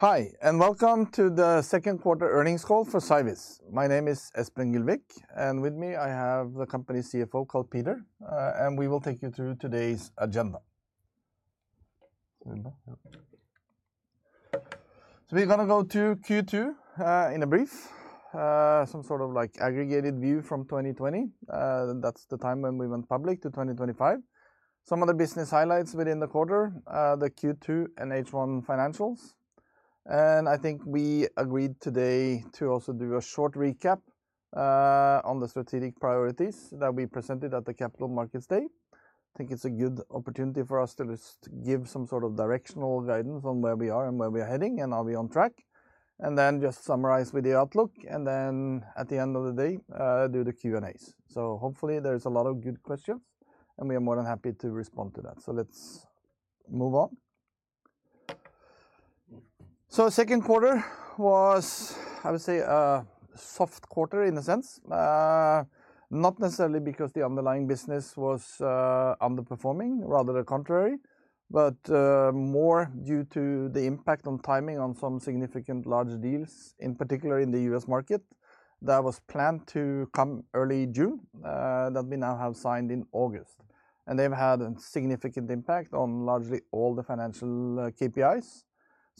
Hi, and welcome to the Second Quarter Earnings Call for Cyviz. My name is Espen Gylvik, and with me, I have the company CFO, Karl Peter, and we will take you through today's agenda. We're going to go through Q2 in a brief, some sort of aggregated view from 2020, that's the time when we went public, to 2025. Some of the business highlights within the quarter, the Q2 and H1 financials. I think we agreed today to also do a short recap on the strategic priorities that we presented at the Capital Markets Day. I think it's a good opportunity for us to just give some sort of directional guidance on where we are and where we are heading, and are we on track? Then just summarize with the outlook, and at the end of the day, do the Q&As. Hopefully, there are a lot of good questions, and we are more than happy to respond to that. Let's move on. The second quarter was, I would say, a soft quarter in a sense. Not necessarily because the underlying business was underperforming, rather the contrary, but more due to the impact on timing on some significant large deals, in particular in the U.S. market, that was planned to come early June, that we now have signed in August. They've had a significant impact on largely all the financial KPIs.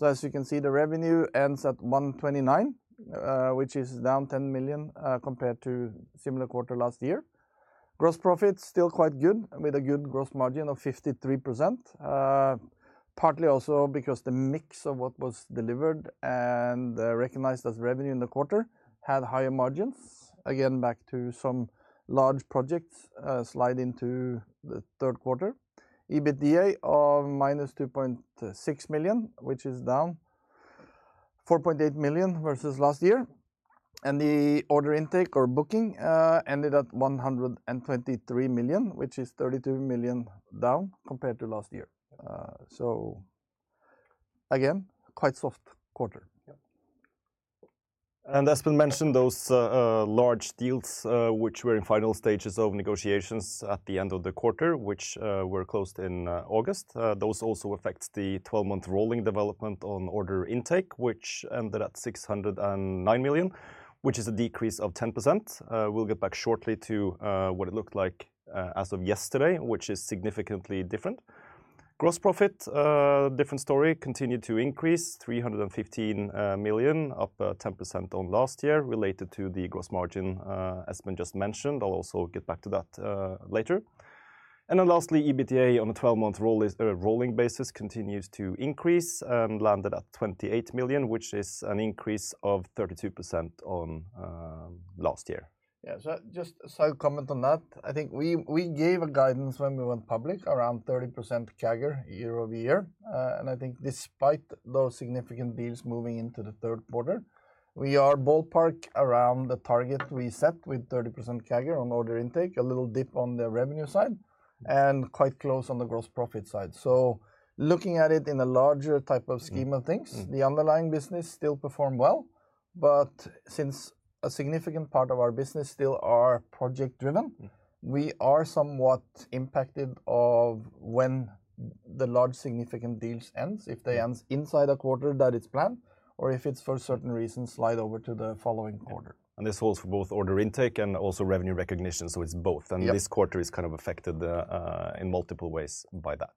As you can see, the revenue ends at 129 million, which is down 10 million compared to a similar quarter last year. Gross profit is still quite good, with a good gross margin of 53%, partly also because the mix of what was delivered and recognized as revenue in the quarter had higher margins. Again, back to some large projects sliding into the third quarter. EBITDA of -2.6 million, which is down 4.8 million versus last year. The order intake or booking ended at 123 million, which is 32 million down compared to last year. Again, quite a soft quarter. As we mentioned, those large deals, which were in final stages of negotiations at the end of the quarter, which were closed in August, also affect the 12-month rolling development on order intake, which ended at 609 million, which is a decrease of 10%. We'll get back shortly to what it looked like as of yesterday, which is significantly different. Gross profit, a different story, continued to increase to 315 million, up 10% on last year, related to the gross margin Espen just mentioned. I'll also get back to that later. Lastly, EBITDA on a 12-month rolling basis continued to increase and landed at 28 million, which is an increase of 32% on last year. Just a side comment on that. I think we gave a guidance when we went public around 30% CAGR year-over-year. I think despite those significant deals moving into the third quarter, we are ballpark around the target we set with 30% CAGR on order intake, a little dip on the revenue side, and quite close on the gross profit side. Looking at it in a larger type of scheme of things, the underlying business still performed well. Since a significant part of our business still is project-driven, we are somewhat impacted by when the large significant deals end, if they end inside a quarter that is planned, or if it's for certain reasons slide over to the following quarter. This holds for both order intake and also revenue recognition. It's both. This quarter is kind of affected in multiple ways by that.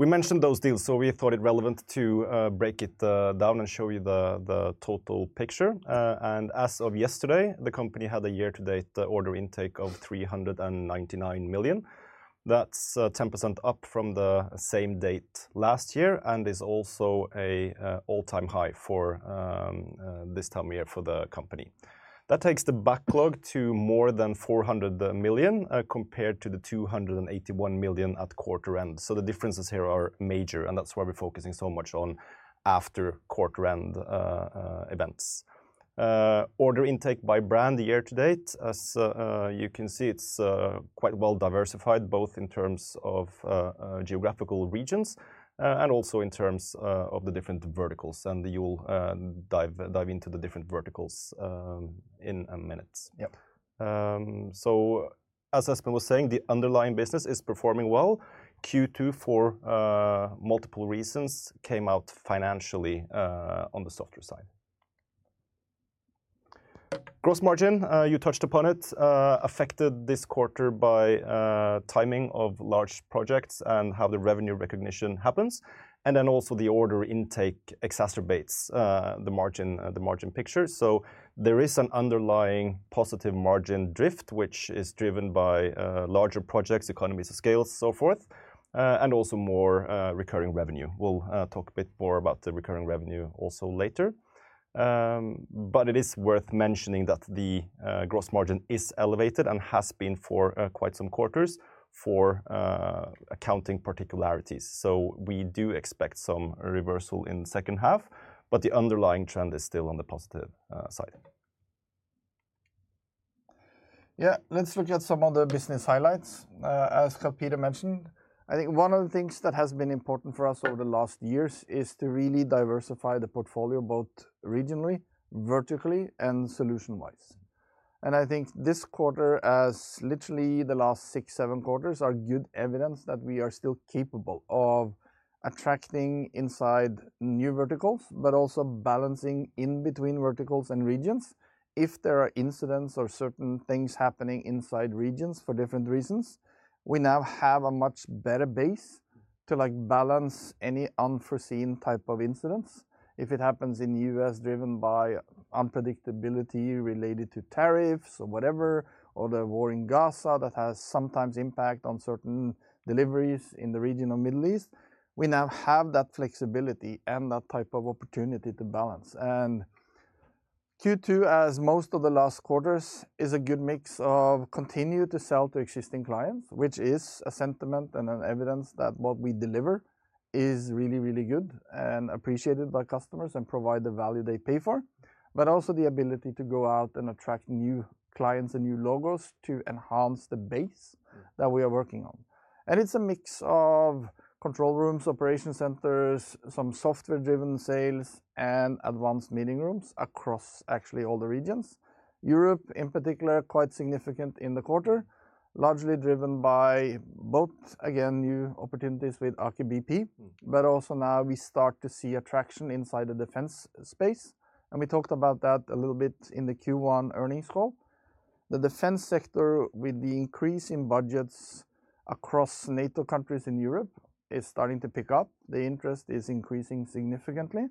We mentioned those deals, so we thought it relevant to break it down and show you the total picture. As of yesterday, the company had a year-to-date order intake of 399 million. That's 10% up from the same date last year and is also an all-time high for this time of year for the company. That takes the backlog to more than 400 million compared to the 281 million at quarter end. The differences here are major, and that's why we're focusing so much on after quarter-end events. Order intake by brand year-to-date, as you can see, is quite well diversified, both in terms of geographical regions and also in terms of the different verticals. You'll dive into the different verticals in a minute. As Espen was saying, the underlying business is performing well. Q2, for multiple reasons, came out financially on the softer side. Gross margin, you touched upon it, affected this quarter by timing of large projects and how the revenue recognition happens. Also, the order intake exacerbates the margin picture. There is an underlying positive margin drift, which is driven by larger projects, economies of scale, and also more recurring revenue. We'll talk a bit more about the recurring revenue also later. It is worth mentioning that the gross margin is elevated and has been for quite some quarters for accounting particularities. We do expect some reversal in the second half, but the underlying trend is still on the positive side. Yeah, let's look at some of the business highlights. As Karl Peter mentioned, I think one of the things that has been important for us over the last years is to really diversify the portfolio both regionally, vertically, and solution-wise. I think this quarter, as literally the last six, seven quarters, is good evidence that we are still capable of attracting inside new verticals, but also balancing in between verticals and regions. If there are incidents or certain things happening inside regions for different reasons, we now have a much better base to balance any unforeseen type of incidents. If it happens in the U.S., driven by unpredictability related to tariffs or whatever, or the war in Gaza that has sometimes impact on certain deliveries in the region of the Middle East, we now have that flexibility and that type of opportunity to balance. Q2, as most of the last quarters, is a good mix of continuing to sell to existing clients, which is a sentiment and an evidence that what we deliver is really, really good and appreciated by customers and provides the value they pay for, but also the ability to go out and attract new clients and new logos to enhance the base that we are working on. It's a mix of control rooms, operation centers, some software-driven sales, and advanced meeting rooms across actually all the regions. Europe in particular, quite significant in the quarter, largely driven by both, again, new opportunities with Aker BP, but also now we start to see attraction inside the defense space. We talked about that a little bit in the Q1 earnings call. The defense sector, with the increase in budgets across NATO countries in Europe, is starting to pick up. The interest is increasing significantly.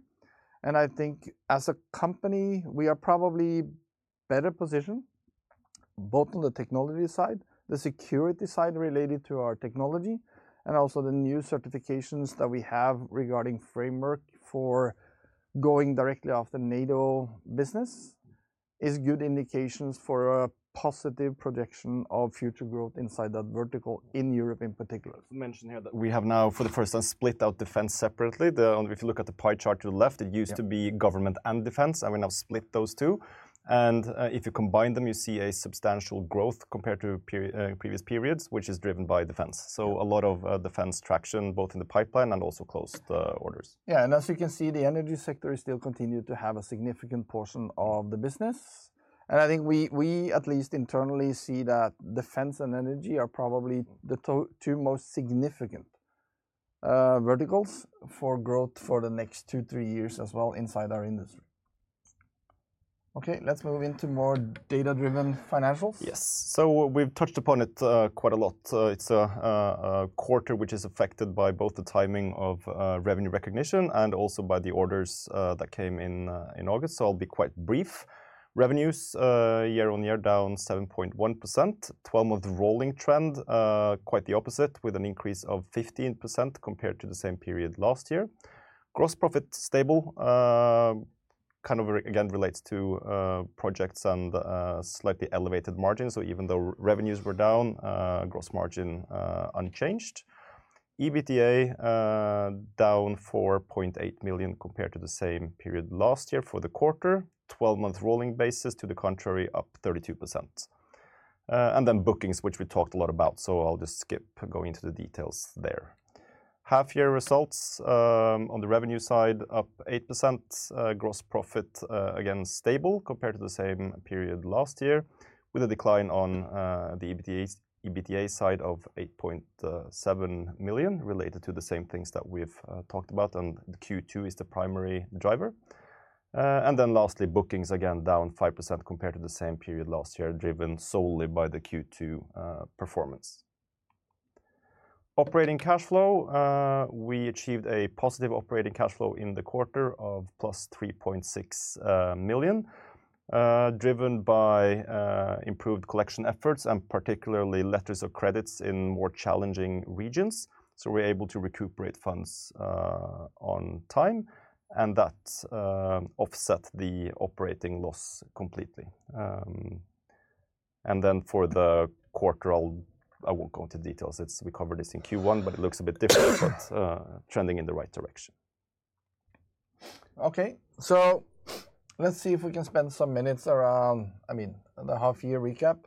I think as a company, we are probably better positioned, both on the technology side, the security side related to our technology, and also the new certifications that we have regarding framework for going directly after NATO business is good indications for a positive projection of future growth inside that vertical in Europe in particular. Mention here that we have now, for the first time, split out defense separately. If you look at the pie chart to the left, it used to be government and defense, and we now split those two. If you combine them, you see a substantial growth compared to previous periods, which is driven by defense. A lot of defense traction, both in the pipeline and also closed orders. Yeah, as you can see, the energy sector still continues to have a significant portion of the business. I think we, at least internally, see that defense and energy are probably the two most significant verticals for growth for the next two, three years as well inside our industry. Okay, let's move into more data-driven financials. Yes, we've touched upon it quite a lot. It's a quarter which is affected by both the timing of revenue recognition and also by the orders that came in in August. I'll be quite brief. Revenues, year-on-year, down 7.1%. 12-month rolling trend, quite the opposite, with an increase of 15% compared to the same period last year. Gross profit stable, kind of again relates to projects and slightly elevated margins. Even though revenues were down, gross margin unchanged. EBITDA down 4.8 million compared to the same period last year for the quarter. 12-month rolling basis, to the contrary, up 32%. Bookings, which we talked a lot about, I'll just skip going into the details there. Half-year results on the revenue side, up 8%. Gross profit again stable compared to the same period last year, with a decline on the EBITDA side of 8.7 million related to the same things that we've talked about. Q2 is the primary driver. Lastly, bookings again down 5% compared to the same period last year, driven solely by the Q2 performance. Operating cash flow, we achieved a positive operating cash flow in the quarter of +3.6 million, driven by improved collection efforts and particularly letters of credit in more challenging regions. We're able to recuperate funds on time, and that offset the operating loss completely. For the quarter, I won't go into details. We covered this in Q1, but it looks a bit different but trending in the right direction. Okay, let's see if we can spend some minutes around the half-year recap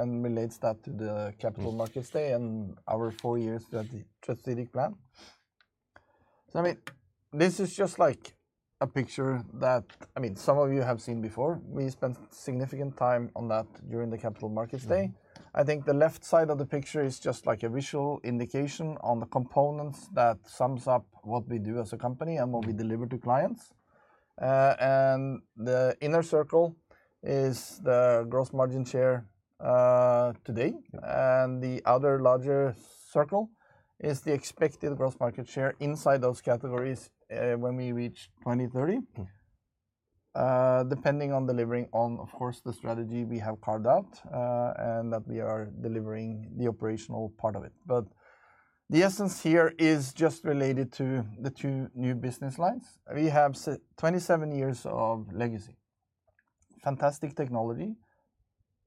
and relate that to the Capital Markets Day and our four-year strategic plan. This is just like a picture that some of you have seen before. We spent significant time on that during the Capital Markets Day. I think the left side of the picture is just a visual indication of the components that sum up what we do as a company and what we deliver to clients. The inner circle is the gross margin share today, and the other larger circle is the expected gross margin share inside those categories when we reach 2030, depending on delivering on, of course, the strategy we have carved out and that we are delivering the operational part of it. The essence here is just related to the two new business lines. We have 27 years of legacy, fantastic technology,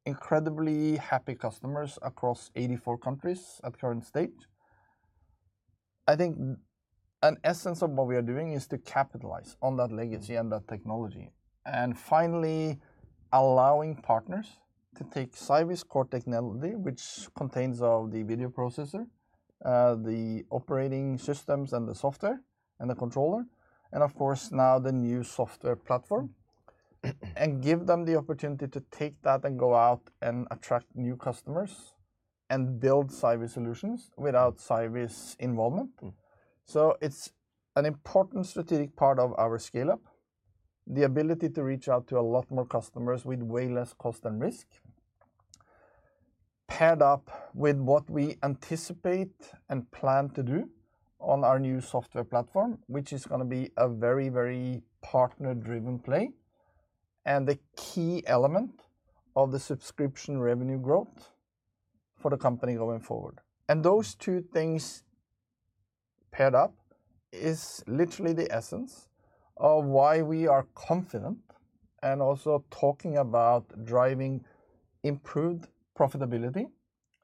incredibly happy customers across 84 countries at the current stage. I think an essence of what we are doing is to capitalize on that legacy and that technology. Finally, allowing partners to take Cyviz Core Technology, which contains the video processor, the operating systems, the software, and the controller, and of course now the new Software Platform, and give them the opportunity to take that and go out and attract new customers and build Cyviz solutions without Cyviz involvement. It's an important strategic part of our scale-up, the ability to reach out to a lot more customers with way less cost and risk, paired up with what we anticipate and plan to do on our new Software Platform, which is going to be a very, very partner-driven play and the key element of the subscription revenue growth for the company going forward. Those two things paired up are literally the essence of why we are confident and also talking about driving improved profitability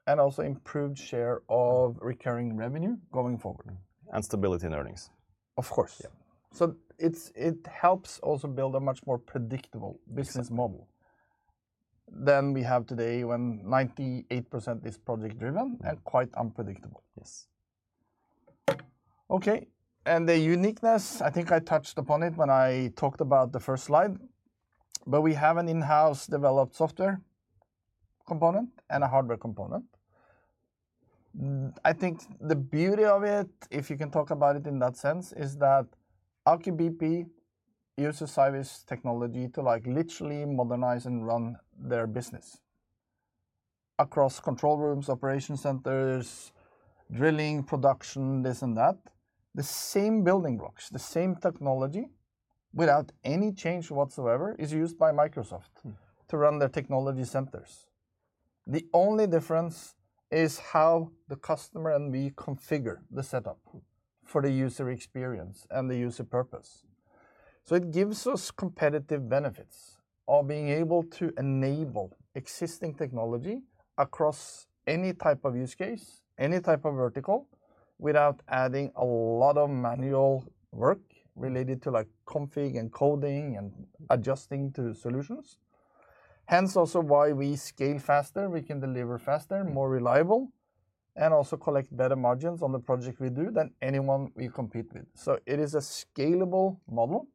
and also improved share of recurring revenue going forward. Stability in earnings. Of course, it helps also build a much more predictable business model than we have today when 98% is project-driven and quite unpredictable. Yes. Okay, and the uniqueness, I think I touched upon it when I talked about the first slide, but we have an in-house developed software component and a hardware component. I think the beauty of it, if you can talk about it in that sense, is that Aker BP uses Cyviz technology to like literally modernize and run their business across control rooms, operation centers, drilling, production, this and that. The same building blocks, the same technology, without any change whatsoever, is used by Microsoft to run their technology centers. The only difference is how the customer and we configure the setup for the user experience and the user purpose. It gives us competitive benefits of being able to enable existing technology across any type of use case, any type of vertical, without adding a lot of manual work related to like config and coding and adjusting to solutions. Hence also why we scale faster, we can deliver faster, more reliable, and also collect better margins on the projects we do than anyone we compete with. It is a scalable model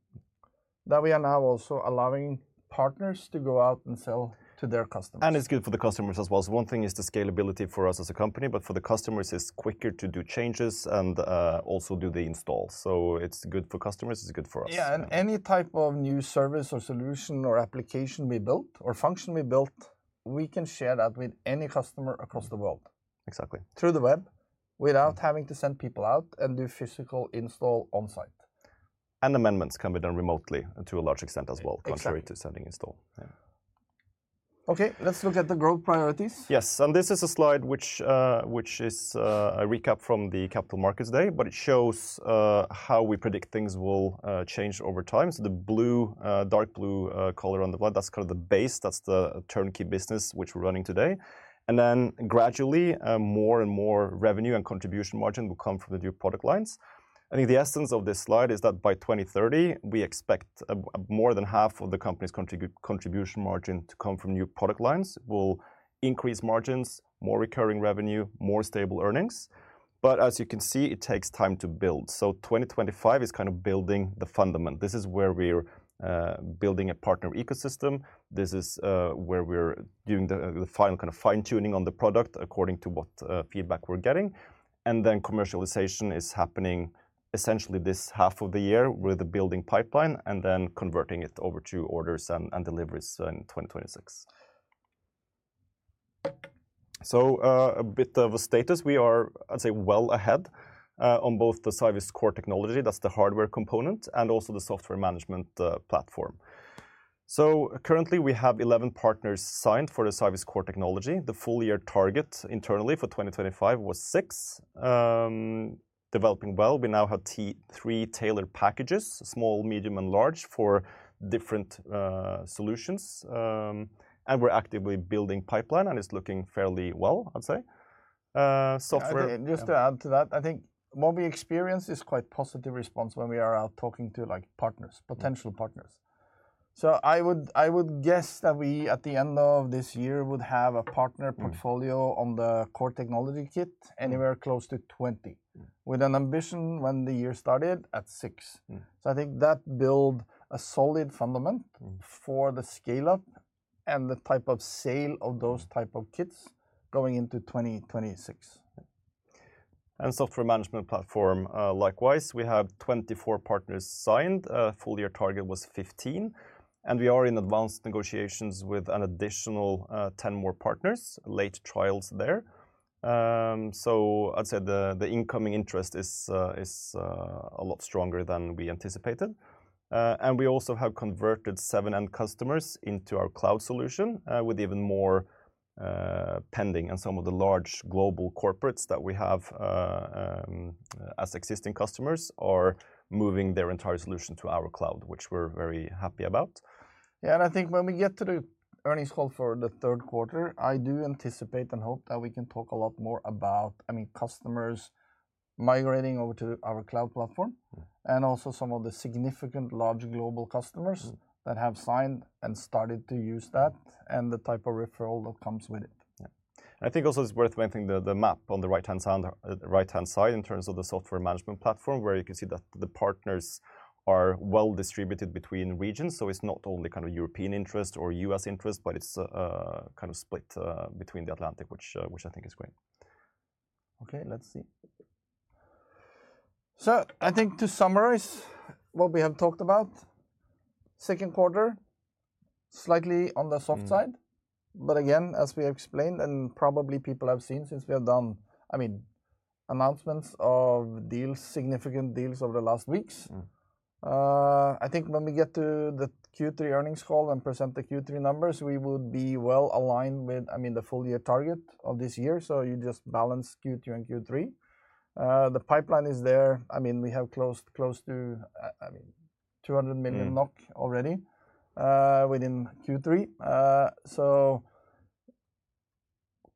that we are now also allowing partners to go out and sell to their customers. It is good for the customers as well. One thing is the scalability for us as a company, but for the customers, it's quicker to do changes and also do the installs. It is good for customers, it's good for us. Yeah, any type of new service or solution or application we built or function we built, we can share that with any customer across the world. Exactly. Through the web, without having to send people out and do physical install on site. Amendments can be done remotely to a large extent as well, contrary to sending install. Okay, let's look at the growth priorities. Yes, and this is a slide which is a recap from the Capital Markets Day, but it shows how we predict things will change over time. The dark blue color on the plot, that's kind of the base, that's the turnkey business which we're running today. Gradually, more and more revenue and contribution margin will come from the new product lines. I think the essence of this slide is that by 2030, we expect more than half of the company's contribution margin to come from new product lines. It will increase margins, more recurring revenue, more stable earnings. As you can see, it takes time to build. 2025 is kind of building the fundament. This is where we're building a partner ecosystem. This is where we're doing the final kind of fine-tuning on the product according to what feedback we're getting. Commercialization is happening essentially this half of the year with the building pipeline and then converting it over to orders and deliveries in 2026. A bit of a status. We are, I'd say, well ahead on both the Cyviz Core Technology, that's the hardware component, and also the Software Management Platform. Currently, we have 11 partners signed for the Cyviz Core Technology. The full-year target internally for 2025 was six, developing well. We now have three tailored packages, small, medium, and large, for different solutions. We're actively building the pipeline, and it's looking fairly well, I'd say. Just to add to that, I think what we experience is quite a positive response when we are out talking to partners, potential partners. I would guess that we, at the end of this year, would have a partner portfolio on the Core Technology kit anywhere close to 20, with an ambition when the year started at six. I think that builds a solid fundament for the scale-up and the type of sale of those types of kits going into 2026. The Software Management Platform, likewise, we have 24 partners signed. The full-year target was 15. We are in advanced negotiations with an additional 10 more partners, late trials there. I'd say the incoming interest is a lot stronger than we anticipated. We also have converted seven end customers into our cloud solution, with even more pending. Some of the large global corporates that we have as existing customers are moving their entire solution to our cloud, which we're very happy about. Yeah, I think when we get to the earnings call for the third quarter, I do anticipate and hope that we can talk a lot more about customers migrating over to our cloud platform and also some of the significant large global customers that have signed and started to use that and the type of referral that comes with it. I think also it's worth pointing to the map on the right-hand side in terms of the Software Management Platform, where you can see that the partners are well distributed between regions. It's not only kind of European interest or U.S. interest, but it's kind of split between the Atlantic, which I think is great. Okay, let's see. I think to summarize what we have talked about, second quarter, slightly on the soft side. As we explained, and probably people have seen since we have done announcements of deals, significant deals over the last weeks. I think when we get to the Q3 earnings call and present the Q3 numbers, we would be well aligned with the full-year target of this year. You just balance Q2 and Q3. The pipeline is there. We have closed close to 200 million NOK already within Q3.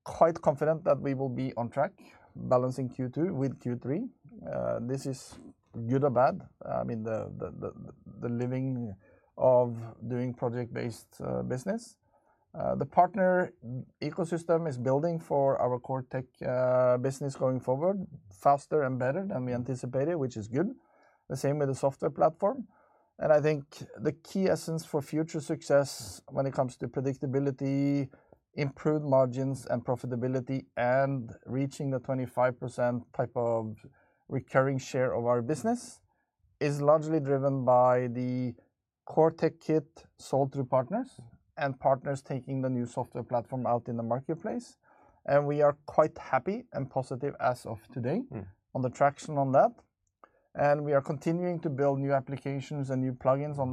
Quite confident that we will be on track balancing Q2 with Q3. This is good or bad, the living of doing project-based business. The partner ecosystem is building for our Core Tech business going forward, faster and better than we anticipated, which is good. The same with the Software Platform. I think the key essence for future success when it comes to predictability, improved margins and profitability, and reaching the 25% type of recurring share of our business is largely driven by the Core Tech kit sold through partners and partners taking the new Software Platform out in the marketplace. We are quite happy and positive as of today on the traction on that. We are continuing to build new applications and new plugins on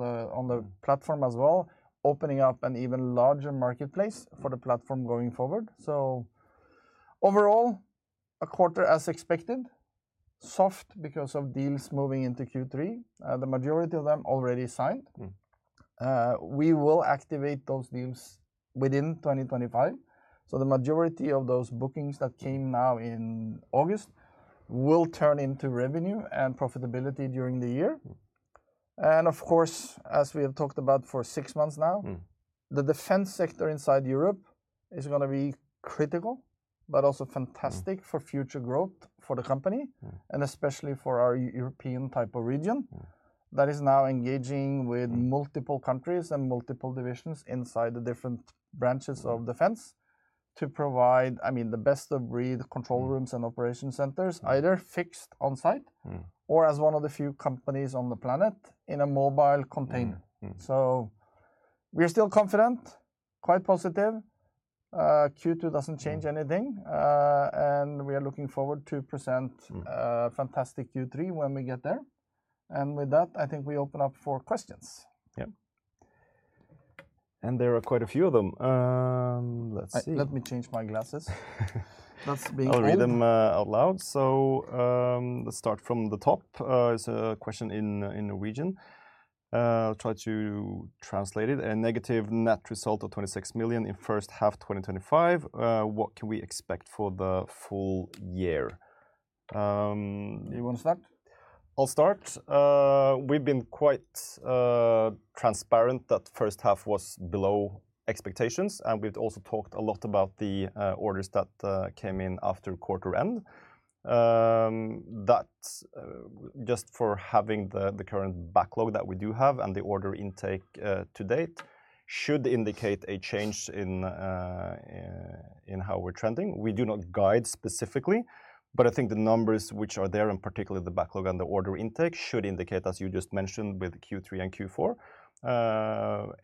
the platform as well, opening up an even larger marketplace for the platform going forward. Overall, a quarter as expected, soft because of deals moving into Q3. The majority of them already signed. We will activate those deals within 2025. The majority of those bookings that came now in August will turn into revenue and profitability during the year. As we have talked about for six months now, the defense sector inside Europe is going to be critical, but also fantastic for future growth for the company, and especially for our European type of region that is now engaging with multiple countries and multiple divisions inside the different branches of defense to provide the best-of-breed control rooms and operation centers, either fixed on site or as one of the few companies on the planet in a mobile container. We are still confident, quite positive. Q2 doesn't change anything. We are looking forward to present a fantastic Q3 when we get there. With that, I think we open up for questions. Yeah, there are quite a few of them. Let's see. Let me change my glasses. I'll read them out loud. Let's start from the top. It's a question in Norwegian. I'll try to translate it. A negative net result of 26 million in first half 2025. What can we expect for the full year? You want to start? I'll start. We've been quite transparent that the first half was below expectations, and we've also talked a lot about the orders that came in after quarter end. Just for having the current backlog that we do have and the order intake to date should indicate a change in how we're trending. We do not guide specifically, but I think the numbers which are there, and particularly the backlog and the order intake, should indicate, as you just mentioned, with Q3 and Q4,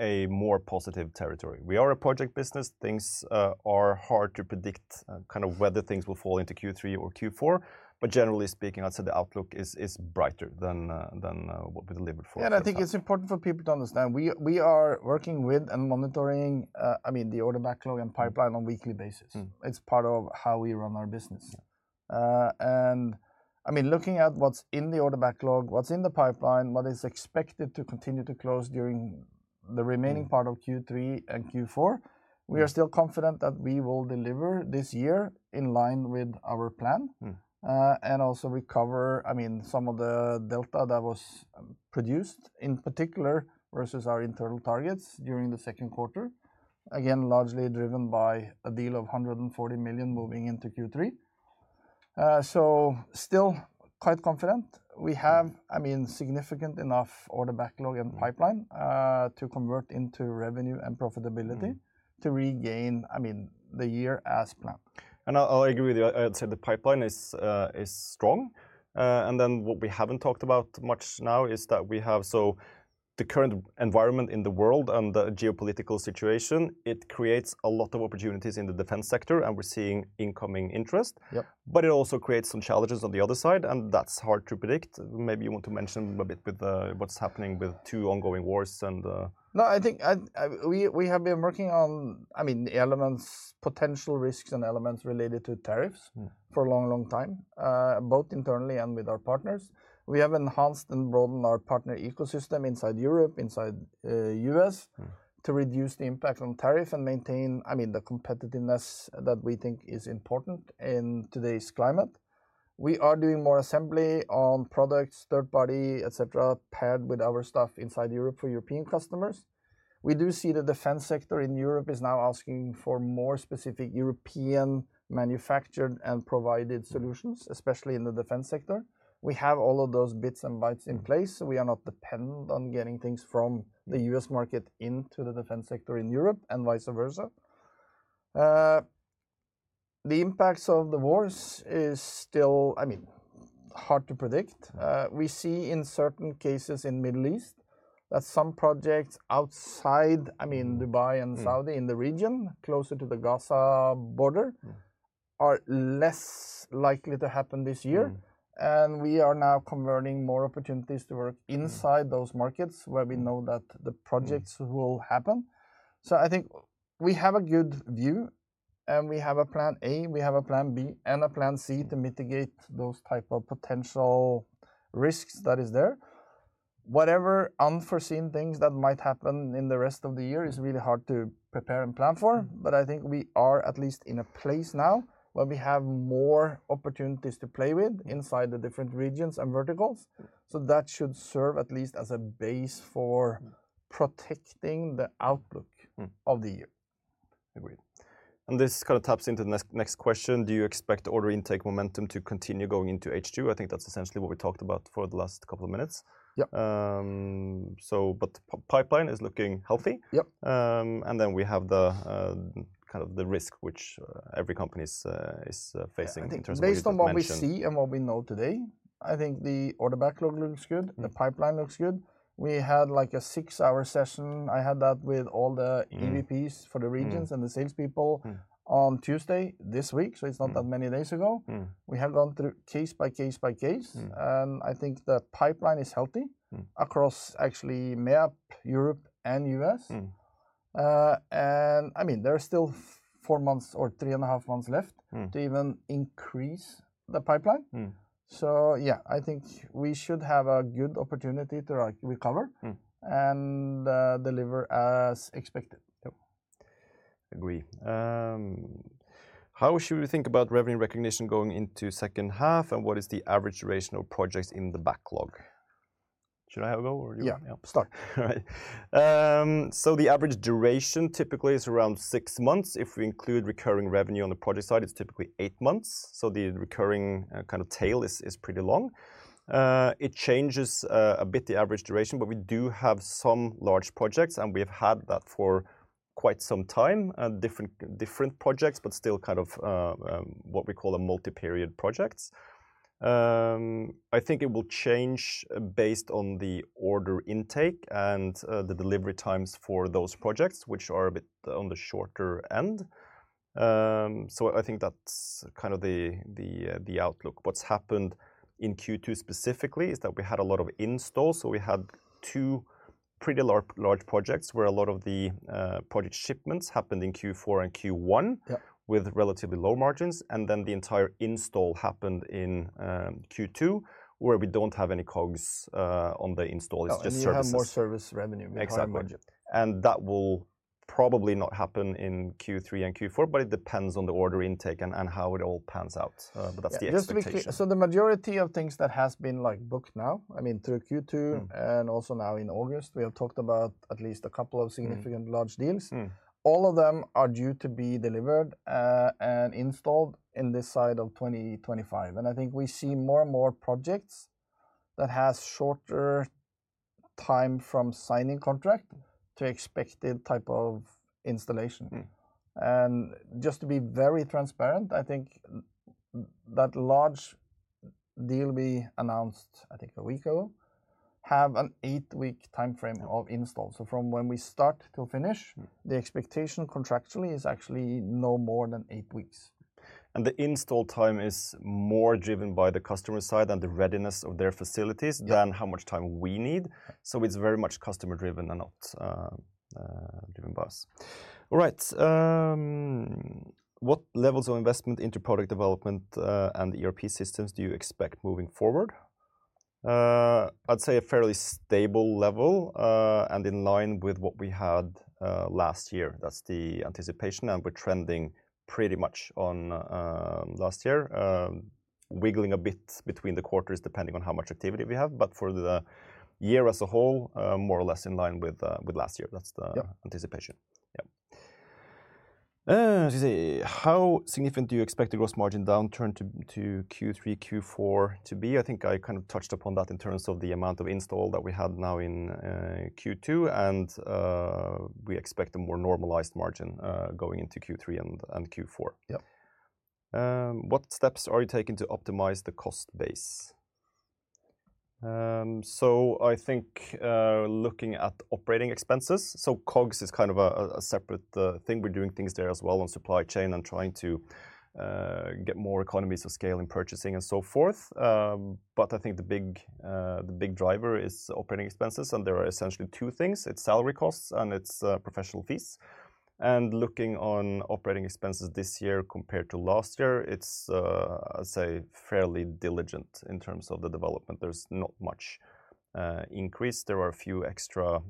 a more positive territory. We are a project business. Things are hard to predict, kind of whether things will fall into Q3 or Q4, but generally speaking, I'd say the outlook is brighter than what we delivered for. Yeah, I think it's important for people to understand. We are working with and monitoring the order backlog and pipeline on a weekly basis. It's part of how we run our business. Looking at what's in the order backlog, what's in the pipeline, what is expected to continue to close during the remaining part of Q3 and Q4, we are still confident that we will deliver this year in line with our plan. We will also recover some of the delta that was produced in particular versus our internal targets during the second quarter, largely driven by a deal of 140 million moving into Q3. We are still quite confident. We have significant enough order backlog and pipeline to convert into revenue and profitability to regain the year as planned. I agree with you. I'd say the pipeline is strong. What we haven't talked about much now is that we have, so the current environment in the world and the geopolitical situation creates a lot of opportunities in the defense sector, and we're seeing incoming interest. It also creates some challenges on the other side, and that's hard to predict. Maybe you want to mention a bit with what's happening with two ongoing wars. No, I think we have been working on the elements, potential risks, and elements related to tariffs for a long, long time, both internally and with our partners. We have enhanced and broadened our partner ecosystem inside Europe, inside the U.S., to reduce the impact on tariffs and maintain the competitiveness that we think is important in today's climate. We are doing more assembly on products, third party, etc., paired with our stuff inside Europe for European customers. We do see the defense sector in Europe is now asking for more specific European manufactured and provided solutions, especially in the defense sector. We have all of those bits and bytes in place, so we are not dependent on getting things from the U.S. market into the defense sector in Europe and vice versa. The impacts of the wars are still hard to predict. We see in certain cases in the Middle East that some projects outside Dubai and Saudi in the region, closer to the Gaza border, are less likely to happen this year. We are now converting more opportunities to work inside those markets where we know that the projects will happen. I think we have a good view, and we have a plan A, we have a plan B, and a plan C to mitigate those types of potential risks that are there. Whatever unforeseen things that might happen in the rest of the year is really hard to prepare and plan for, but I think we are at least in a place now where we have more opportunities to play with inside the different regions and verticals. That should serve at least as a base for protecting the outlook of the year. Agreed. This kind of taps into the next question. Do you expect order intake momentum to continue going into H2? I think that's essentially what we talked about for the last couple of minutes. Yeah. The pipeline is looking healthy. Yeah. We have the kind of the risk which every company is facing in terms of. Based on what we see and what we know today, I think the order backlog looks good. The pipeline looks good. We had like a six-hour session. I had that with all the EVPs for the regions and the salespeople on Tuesday this week. It's not that many days ago. We have gone through case by case by case, and I think the pipeline is healthy across actually Europe and U.S. There are still four months or three and a half months left to even increase the pipeline. I think we should have a good opportunity to recover and deliver as expected. Agree. How should we think about revenue recognition going into the second half, and what is the average duration of projects in the backlog? Should I have a go? Yeah, start. The average duration typically is around six months. If we include recurring revenue on the project side, it's typically eight months. The recurring kind of tail is pretty long. It changes a bit, the average duration, but we do have some large projects, and we have had that for quite some time, different projects, but still kind of what we call a multi-period project. I think it will change based on the order intake and the delivery times for those projects, which are a bit on the shorter end. I think that's kind of the outlook. What's happened in Q2 specifically is that we had a lot of installs. We had two pretty large projects where a lot of the project shipments happened in Q4 and Q1 with relatively low margins. The entire install happened in Q2 where we don't have any COGS on the install. We only have more service revenue. Exactly. That will probably not happen in Q3 and Q4, but it depends on the order intake and how it all pans out. The majority of things that have been booked now, through Q2 and also now in August, we have talked about at least a couple of significant large deals. All of them are due to be delivered and installed in this side of 2025. I think we see more and more projects that have shorter time from signing contract to expected type of installation. Just to be very transparent, I think that large deal we announced, I think a week ago, has an eight-week timeframe of install. From when we start to finish, the expectation contractually is actually no more than eight weeks. The install time is more driven by the customer side and the readiness of their facilities than how much time we need. It is very much customer-driven and not driven by us. All right. What levels of investment into product development and ERP systems do you expect moving forward? I'd say a fairly stable level and in line with what we had last year. That's the anticipation, and we're trending pretty much on last year, wiggling a bit between the quarters depending on how much activity we have. For the year as a whole, more or less in line with last year, that's the anticipation. How significant do you expect the gross margin downturn to Q3, Q4 to be? I think I kind of touched upon that in terms of the amount of install that we had now in Q2, and we expect a more normalized margin going into Q3 and Q4. Yeah. What steps are you taking to optimize the cost base? I think looking at operating expenses, COGS is kind of a separate thing. We're doing things there as well on supply chain and trying to get more economies of scale in purchasing and so forth. I think the big driver is operating expenses, and there are essentially two things. It's salary costs and it's professional fees. Looking on operating expenses this year compared to last year, it's, I'd say, fairly diligent in terms of the development. There's not much increase. There are a few extra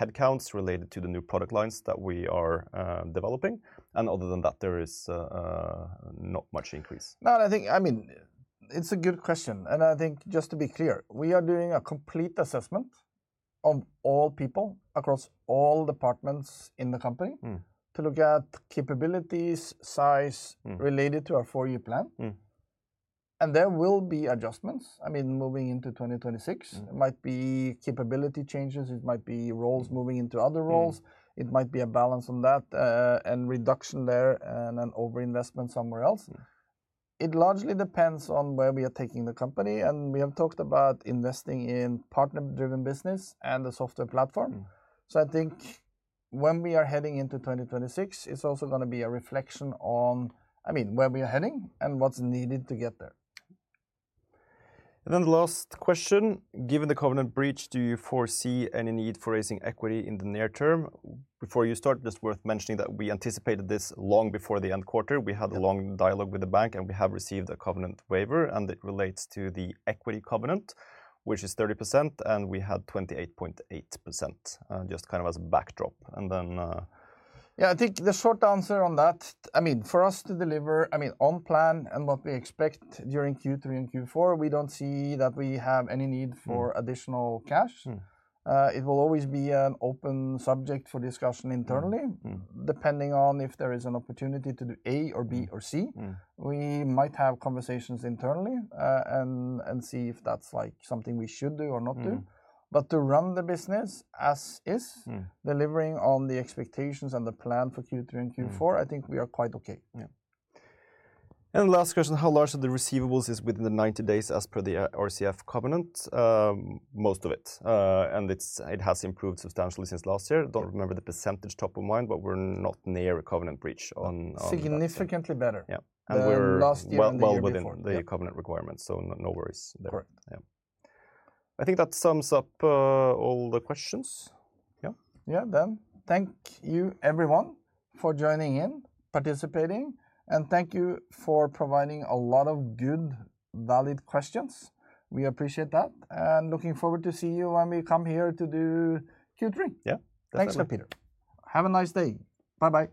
headcounts related to the new product lines that we are developing. Other than that, there is not much increase. No, I think it's a good question. I think just to be clear, we are doing a complete assessment of all people across all departments in the company to look at capabilities and size related to our 4-year plan. There will be adjustments. Moving into 2026, it might be capability changes. It might be roles moving into other roles. It might be a balance on that and reduction there and an overinvestment somewhere else. It largely depends on where we are taking the company. We have talked about investing in partner-driven business and the software platform. I think when we are heading into 2026, it's also going to be a reflection on where we are heading and what's needed to get there. The last question. Given the covenant breach, do you foresee any need for raising equity in the near term? Before you start, it's worth mentioning that we anticipated this long before the end quarter. We had a long dialogue with the bank, and we have received a covenant waiver, and it relates to the equity covenant, which is 30%, and we had 28.8% just kind of as a backdrop. Yeah, I think the short answer on that, for us to deliver on plan and what we expect during Q3 and Q4, we don't see that we have any need for additional cash. It will always be an open subject for discussion internally, depending on if there is an opportunity to do A or B or C. We might have conversations internally and see if that's something we should do or not do. To run the business as is, delivering on the expectations and the plan for Q3 and Q4, I think we are quite okay. The last question, how large are the receivables within the 90 days as per the RCF covenant? Most of it, and it has improved substantially since last year. I don't remember the percentage top of mind, but we're not near a covenant breach. Significantly better. Yeah, we're well within the covenant requirements, so no worries. Correct. I think that sums up all the questions. Yeah. Thank you, everyone, for joining in, participating, and thank you for providing a lot of good, valid questions. We appreciate that and are looking forward to seeing you when we come here to do Q3. Yeah, thanks, Peter. Have a nice day. Bye-bye.